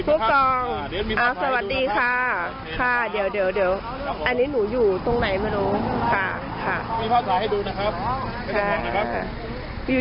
ผู้กองสวัสดีค่ะเดี๋ยวอันนี้หนูอยู่ตรงไหนไม่รู้